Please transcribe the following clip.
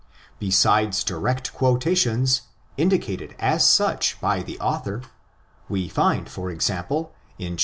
Besides direct quotations, indi cated as such by the author, we find, for example, in 11].